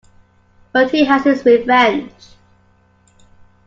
But he has his revenge.